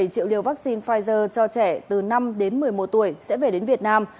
bảy triệu liều vaccine pfizer cho trẻ từ năm đến một mươi một tuổi sẽ về đến việt nam